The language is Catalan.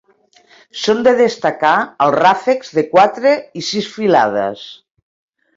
Són de destacar els ràfecs de quatre i sis filades.